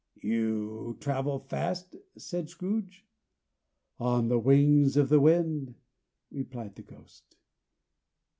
"You travel fast?" said Scrooge. "On the wings of the wind," replied the Ghost.